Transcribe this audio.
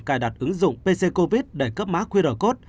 cài đặt ứng dụng pc covid để cấp mã qr code